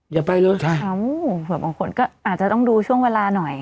อย่าไปเลยใช่แบบบางคนก็อาจจะต้องดูช่วงเวลาหน่อย